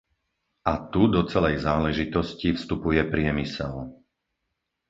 A tu do celej záležitosti vstupuje priemysel.